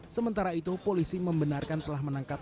sementara itu polisi membenarkan telah menangkap